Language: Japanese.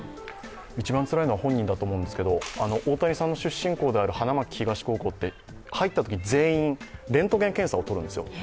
一番つらいのは本人だと思いますが、大谷さんの出身校の花巻東高校って入ったとき全員レントゲン検査を撮るんですよ。